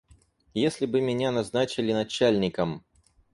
Если бы меня назначили начальником.